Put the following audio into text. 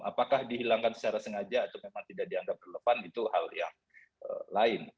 apakah dihilangkan secara sengaja atau memang tidak dianggap relevan itu hal yang lain